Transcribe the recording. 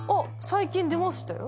最近出ましたよ。